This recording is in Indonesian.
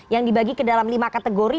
yang dibagi ke dalam lima kategori